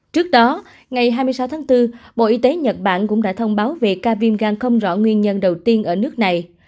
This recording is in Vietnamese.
trước đó ngày hai mươi sáu tháng bốn bộ y tế nhật bản cũng đã thông báo về ca viêm gan không rõ nguyên nhân đầu tiên ở nước này